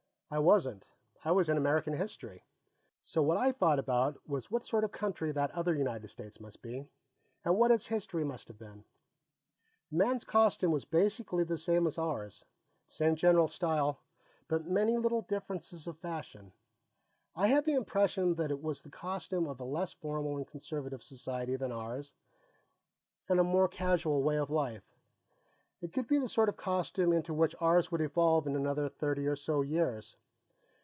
I wasn't; I was in American history. So what I thought about was what sort of country that other United States must be, and what its history must have been. The man's costume was basically the same as ours same general style, but many little differences of fashion. I had the impression that it was the costume of a less formal and conservative society than ours and a more casual way of life. It could be the sort of costume into which ours would evolve in another thirty or so years.